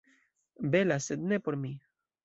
Bela, sed ne por mi.